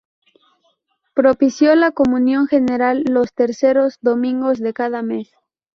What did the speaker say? Propició la comunión general los terceros domingos de cada mes.